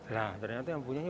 nah ternyata yang punya